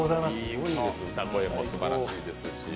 歌声もすばらしいですし。